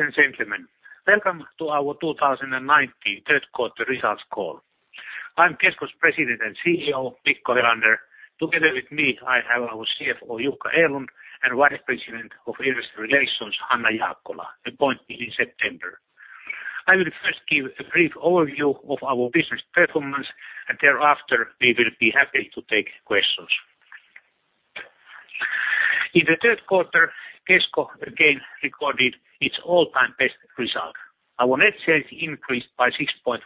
Ladies and gentlemen, welcome to our 2019 third quarter results call. I'm Kesko's President and CEO, Mikko Helander. Together with me, I have our CFO, Jukka Erlund, and Vice President of Investor Relations, Hanna Jaakkola, appointed in September. I will first give a brief overview of our business performance, and thereafter, we will be happy to take questions. In the third quarter, Kesko again recorded its all-time best result. Our net sales increased by 6.1%.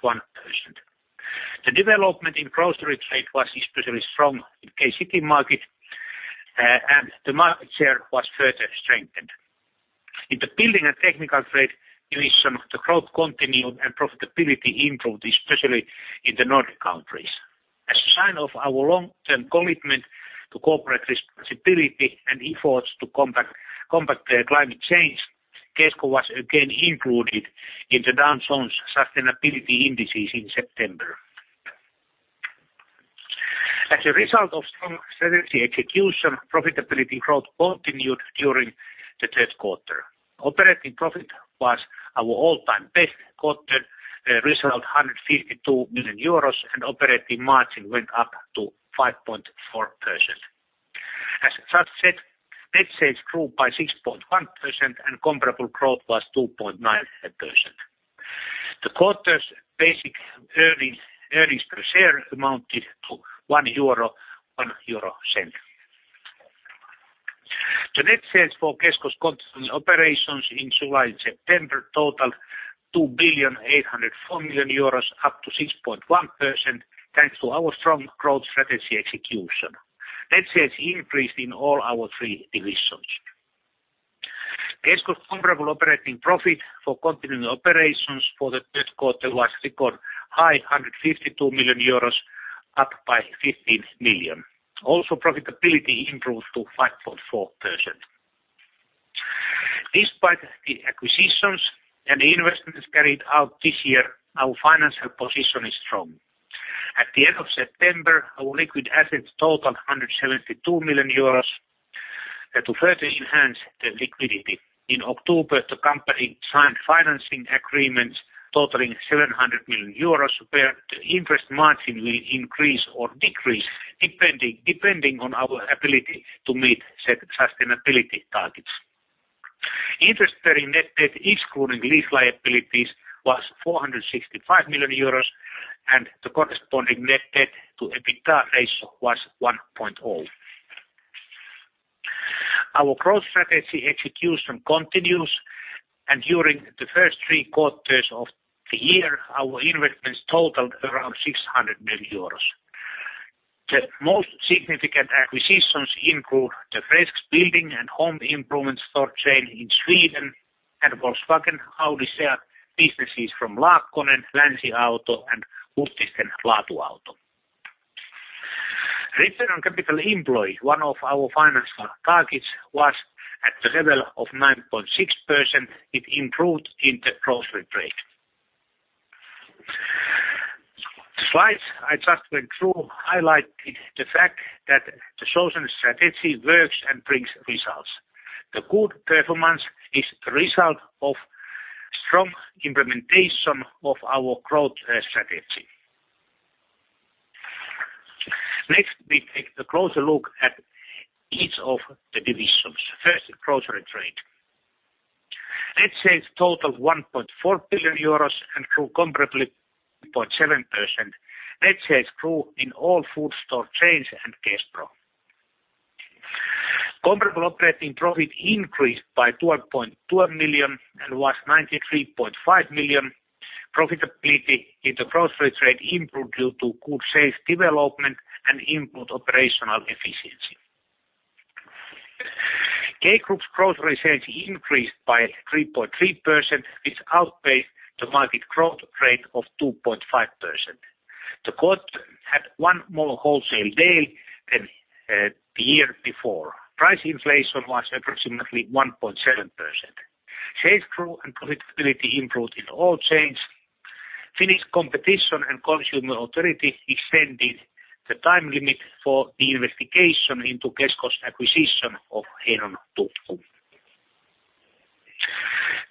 The development in grocery trade was especially strong in K-Citymarket, and the market share was further strengthened. In the building and technical trade division, the growth continued and profitability improved, especially in the Nordic countries. As a sign of our long-term commitment to corporate responsibility and efforts to combat the climate change, Kesko was again included in the Dow Jones Sustainability Indices in September. As a result of strong strategy execution, profitability growth continued during the third quarter. Operating profit was our all-time best quarter, result 152 million euros, and operating margin went up to 5.4%. As just said, net sales grew by 6.1%, and comparable growth was 2.9%. The quarter's basic earnings per share amounted to 1.01 euro. The net sales for Kesko's continuing operations in July and September totaled 2.804 billion, up to 6.1%, thanks to our strong growth strategy execution. Net sales increased in all our three divisions. Kesko's comparable operating profit for continuing operations for the third quarter was record high, 152 million euros, up by 15 million. Profitability improved to 5.4%. Despite the acquisitions and the investments carried out this year, our financial position is strong. At the end of September, our liquid assets totaled 172 million euros. To further enhance the liquidity, in October, the company signed financing agreements totaling 700 million euros, where the interest margin will increase or decrease depending on our ability to meet set sustainability targets. Interest-bearing net debt, excluding lease liabilities, was 465 million euros and the corresponding net debt to EBITDA ratio was 1.0. Our growth strategy execution continues, and during the first three quarters of the year, our investments totaled around 600 million euros. The most significant acquisitions include the Fresks building and home improvement store chain in Sweden and Volkswagen Audi sale businesses from Laakkonen, LänsiAuto, and Huittisten Laatuauto. Return on capital employed, one of our financial targets, was at the level of 9.6%. It improved in the grocery trade. The slides I just went through highlighted the fact that the chosen strategy works and brings results. The good performance is the result of strong implementation of our growth strategy. Next, we take a closer look at each of the divisions. First, grocery trade. Net sales totaled EUR 1.4 billion and grew comparably 4.7%. Net sales grew in all food store chains and Kespro. Comparable operating profit increased by 12.2 million and was 93.5 million. Profitability in the grocery trade improved due to good sales development and improved operational efficiency. K Group's grocery sales increased by 3.3%, which outpaced the market growth rate of 2.5%. The quarter had one more wholesale day than the year before. Price inflation was approximately 1.7%. Sales grew and profitability improved in all chains. Finnish Competition and Consumer Authority extended the time limit for the investigation into Kesko's acquisition of Heinon Tukku.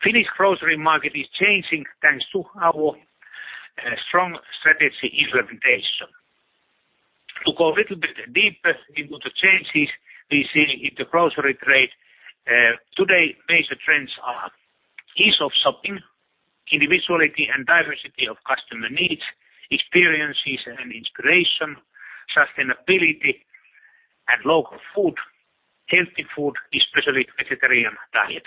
Finnish grocery market is changing, thanks to our strong strategy implementation. To go a little bit deeper into changes we see in the grocery trade, today, major trends are ease of shopping, individuality and diversity of customer needs, experiences and inspiration, sustainability and local food, healthy food, especially vegetarian diet.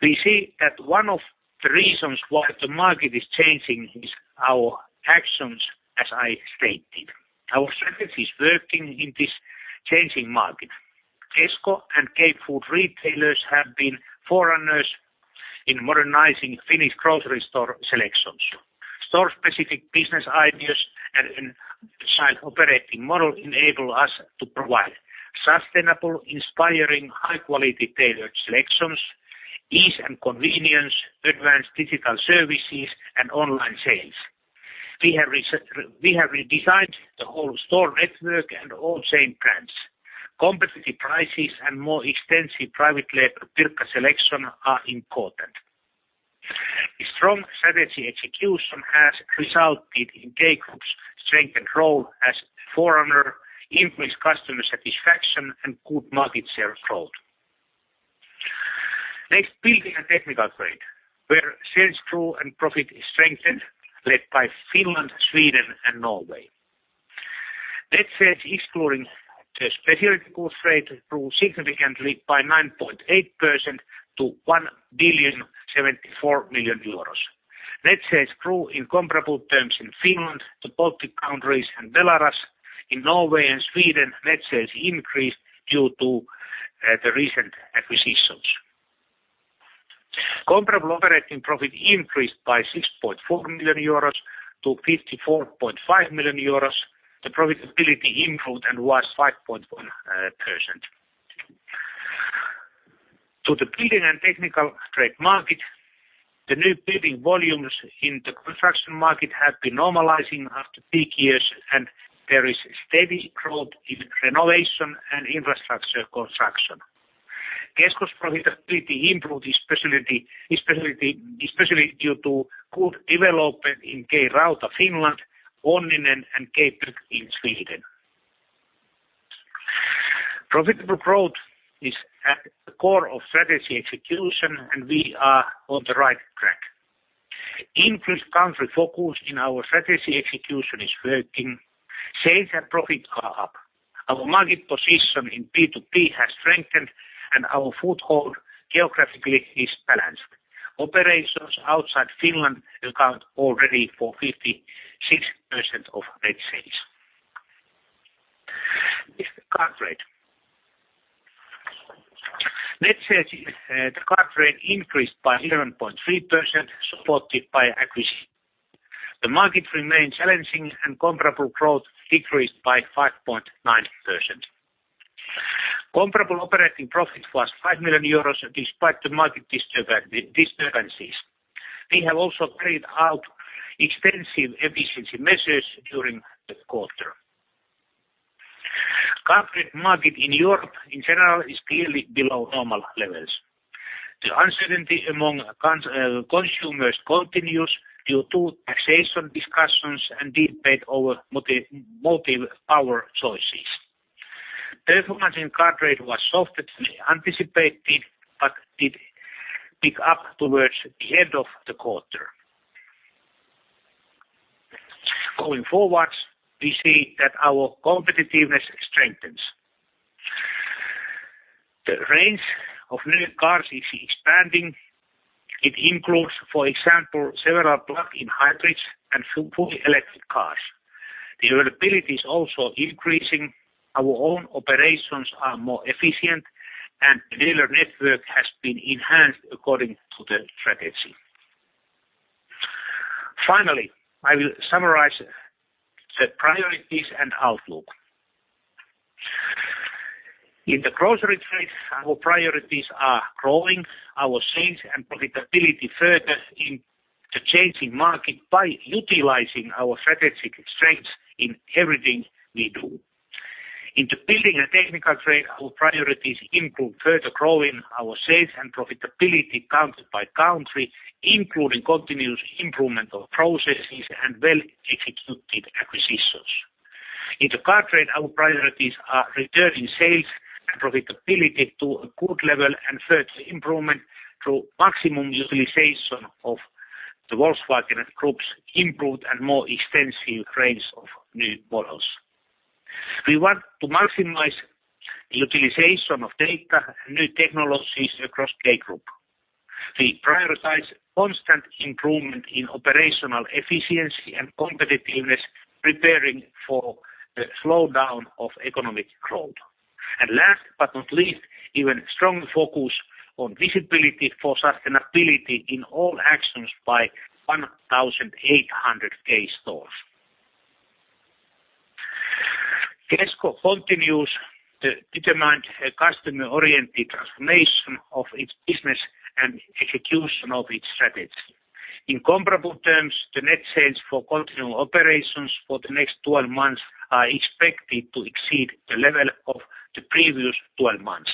We see that one of the reasons why the market is changing is our actions, as I stated. Our strategy is working in this changing market. Kesko and K Food retailers have been forerunners in modernizing Finnish grocery store selections. Store-specific business ideas and an agile operating model enable us to provide sustainable, inspiring, high-quality tailored selections, ease and convenience, advanced digital services, and online sales. We have redesigned the whole store network and own chain brands. Competitive prices and more extensive private label Pirkka selection are important. A strong strategy execution has resulted in K Group's strengthened role as a forerunner, increased customer satisfaction, and good market share growth. Next, Building and Technical Trade where sales through and profit is strengthened, led by Finland, Sweden, and Norway. Net sales, excluding the specialty goods trade, grew significantly by 9.8% to 1,074 million euros. Net sales grew in comparable terms in Finland, the Baltic countries, and Belarus. In Norway and Sweden, net sales increased due to the recent acquisitions. Comparable operating profit increased by 6.4 million euros to 54.5 million euros. The profitability improved and was 5.1%. To the building and technical trade market, the new building volumes in the construction market have been normalizing after peak years, and there is steady growth in renovation and infrastructure construction. Kesko's profitability improved, especially due to good development in K-Rauta Finland, Onninen, and K-Bygg in Sweden. Profitable growth is at the core of strategy execution, and we are on the right track. Increased country focus in our strategy execution is working. Sales and profit are up. Our market position in B2B has strengthened, and our foothold geographically is balanced. Operations outside Finland account already for 56% of net sales. Next, the car trade. Net sales in the car trade increased by 11.3%, supported by acquisitions. The market remained challenging and comparable growth decreased by 5.9%. Comparable operating profit was 5 million euros despite the market disturbances. We have also carried out extensive efficiency measures during the quarter. Car trade market in Europe, in general, is clearly below normal levels. The uncertainty among consumers continues due to taxation discussions and debate over multi-power choices. Performance in car trade was softer than anticipated, but did pick up towards the end of the quarter. Going forwards, we see that our competitiveness strengthens. The range of new cars is expanding. It includes, for example, several plug-in hybrids and fully electric cars. The availability is also increasing. Our own operations are more efficient, and the dealer network has been enhanced according to the strategy. Finally, I will summarize the priorities and outlook. In the grocery trade, our priorities are growing our sales and profitability further in the changing market by utilizing our strategic strengths in everything we do. In the Building and Technical Trade, our priorities include further growing our sales and profitability country by country, including continuous improvement of processes and well-executed acquisitions. In the car trade, our priorities are returning sales and profitability to a good level and further improvement through maximum utilization of the Volkswagen Group's improved and more extensive range of new models. We want to maximize utilization of data and new technologies across K Group. We prioritize constant improvement in operational efficiency and competitiveness, preparing for the slowdown of economic growth. Last but not least, even strong focus on visibility for sustainability in all actions by 1,800 K stores. Kesko continues to determine a customer-oriented transformation of its business and execution of its strategy. In comparable terms, the net sales for continuing operations for the next 12 months are expected to exceed the level of the previous 12 months.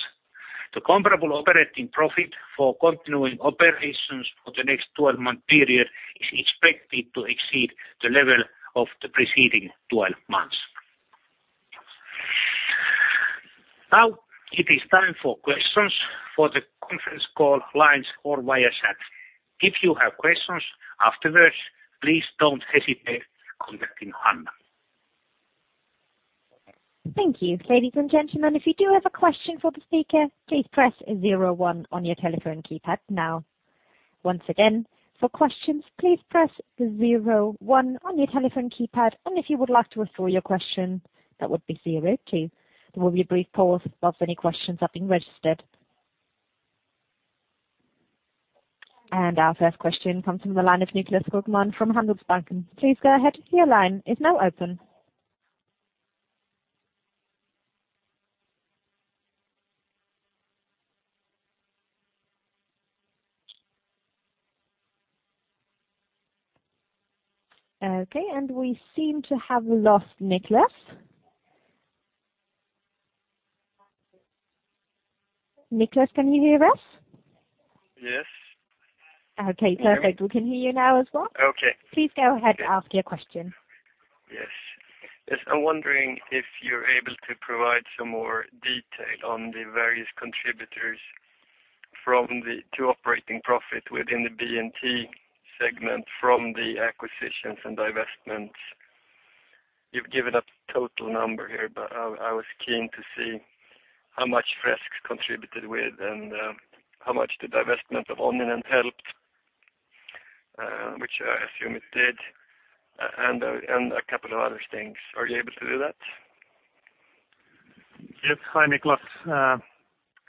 The comparable operating profit for continuing operations for the next 12-month period is expected to exceed the level of the preceding 12 months. Now, it is time for questions for the conference call lines or via chat. If you have questions afterwards, please don't hesitate contacting Hanna. Thank you. Ladies and gentlemen, if you do have a question for the speaker, please press 01 on your telephone keypad now. Once again, for questions, please press 01 on your telephone keypad, and if you would like to withdraw your question, that would be 02. There will be a brief pause while any questions are being registered. Our first question comes from the line of Niklas Göke from Handelsbanken. Please go ahead. Your line is now open. Okay, we seem to have lost Niklas. Niklas, can you hear us? Yes. Okay, perfect. We can hear you now as well. Okay. Please go ahead and ask your question. Yes. I'm wondering if you're able to provide some more detail on the various contributors to operating profit within the B&T segment from the acquisitions and divestments. You've given a total number here, but I was keen to see how much Fresks contributed with and how much the divestment of Onninen helped, which I assume it did, and a couple of other things. Are you able to do that? Yes. Hi, Niklas.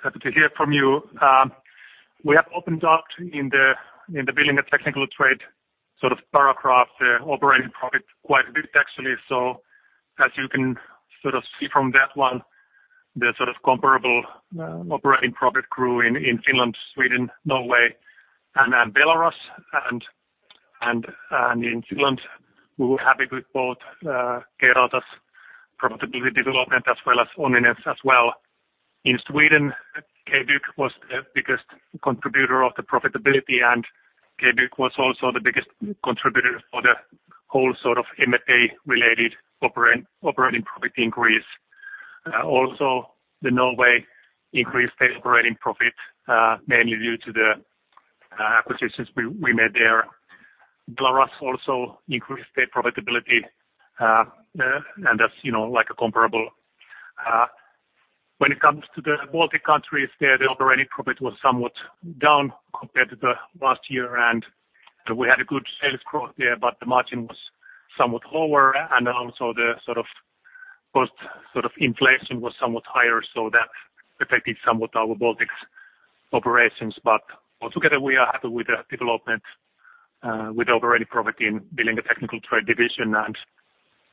Happy to hear from you. We have opened up in the Building and Technical Trade sort of paragraph, the operating profit quite a bit, actually. As you can see from that one, the comparable operating profit grew in Finland, Sweden, Norway, and Belarus. In Finland, we were happy with both K-Rauta's profitability development as well as Onninen's as well. In Sweden, K-Bygg was the biggest contributor of the profitability, and K-Bygg was also the biggest contributor for the whole sort of M&A-related operating profit increase. Also, Norway increased their operating profit mainly due to the acquisitions we made there. Belarus also increased their profitability, and that's comparable. When it comes to the Baltic countries, there the operating profit was somewhat down compared to the last year, and we had a good sales growth there, but the margin was somewhat lower, and also the cost inflation was somewhat higher, so that affected somewhat our Baltics operations. Altogether, we are happy with the development with operating profit in Building and Technical Trade division,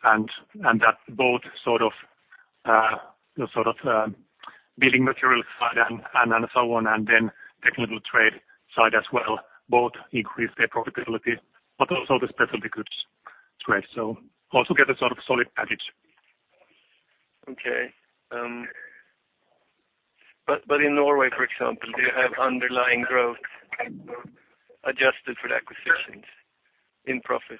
and that both the building materials side and so on, and then technical trade side as well, both increased their profitability, but also the specialty goods trade. Altogether sort of solid package. Okay. In Norway, for example, do you have underlying growth adjusted for the acquisitions in profit?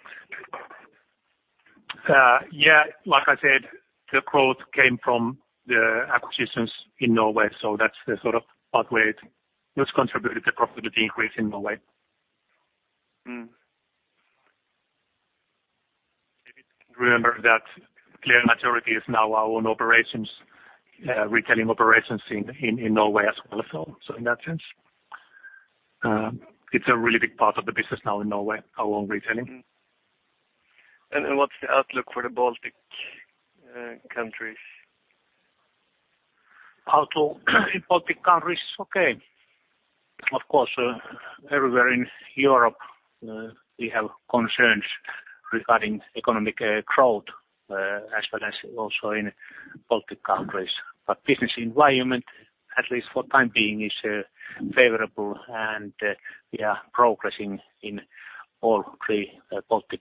Like I said, the growth came from the acquisitions in Norway. That's the sort of pathway it has contributed to profitability increase in Norway. If you can remember that clear majority is now our own retailing operations in Norway as well, so in that sense. It's a really big part of the business now in Norway, our own retailing. What's the outlook for the Baltic countries? Outlook in Baltic countries, okay. Of course, everywhere in Europe, we have concerns regarding economic growth as well as also in Baltic countries. Business environment, at least for time being, is favorable, and we are progressing in all three Baltic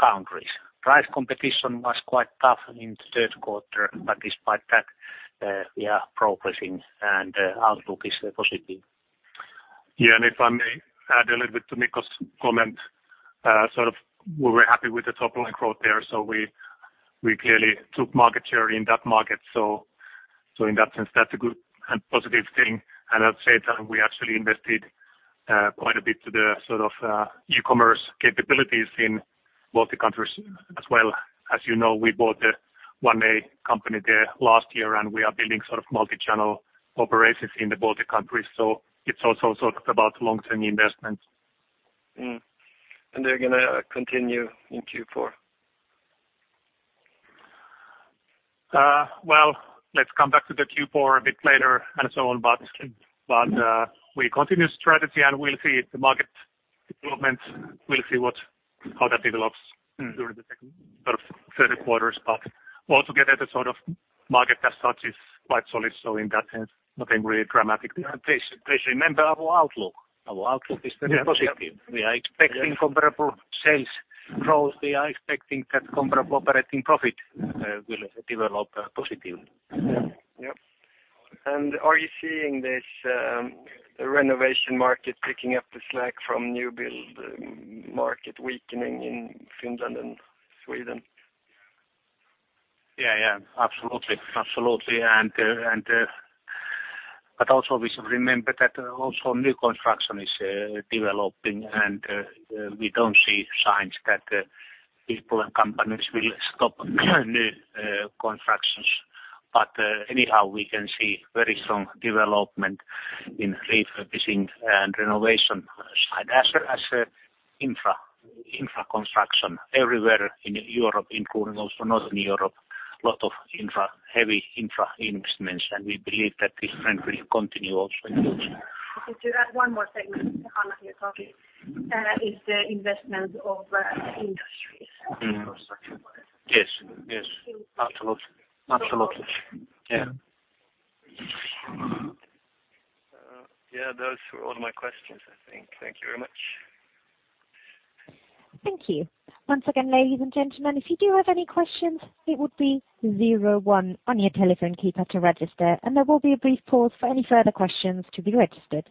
countries. Price competition was quite tough in the third quarter, but despite that, we are progressing, and outlook is positive. Yeah, if I may add a little bit to Mikko's comment, we were happy with the top-line growth there. We clearly took market share in that market. In that sense, that's a good and positive thing. At the same time, we actually invested quite a bit to the e-commerce capabilities in Baltic countries as well. As you know, we bought one company there last year. We are building multi-channel operations in the Baltic countries, it's also about long-term investment. Mm-hmm. They're going to continue in Q4? Let's come back to the Q4 a bit later and so on, but we continue strategy, and we'll see if the market development, we'll see how that develops during the third quarters. Altogether, the market as such is quite solid, so in that sense, nothing really dramatic. Please remember our outlook. Our outlook is very positive. We are expecting comparable sales growth. We are expecting that comparable operating profit will develop positively. Yep. Are you seeing this renovation market picking up the slack from new build market weakening in Finland and Sweden? Yeah. Absolutely. Also we should remember that also new construction is developing, and we don't see signs that people and companies will stop new constructions. Anyhow, we can see very strong development in refurbishing and renovation side, as well as infra construction everywhere in Europe, including also Northern Europe. Lot of heavy infra investments, and we believe that this trend will continue also in future. To look into that one more segment, is the investment of industries. Construction. Yes. Absolutely. Yeah. Those were all my questions, I think. Thank you very much. Thank you. Once again, ladies and gentlemen, if you do have any questions, it would be zero one on your telephone keypad to register, and there will be a brief pause for any further questions to be registered.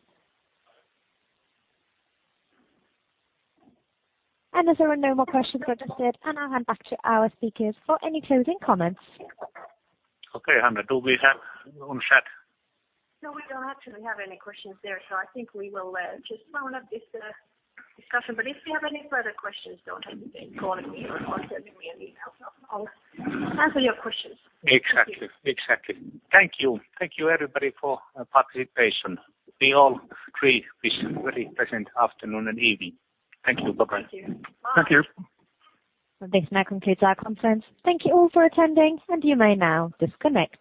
As there are no more questions registered, and I'll hand back to our speakers for any closing comments. Okay, Hanna, do we have on chat? No, we don't actually have any questions there. I think we will just round up this discussion. If you have any further questions, don't hesitate calling me or sending me an email. I'll answer your questions. Exactly. Thank you. Thank you everybody for participation. To you all, three wish you a very pleasant afternoon and evening. Thank you. Bye-bye. Thank you. Bye. Thank you. This now concludes our conference. Thank you all for attending, and you may now disconnect.